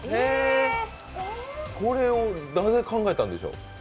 これをなぜ考えたんでしょう？